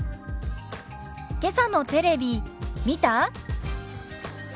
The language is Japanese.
「けさのテレビ見た？」。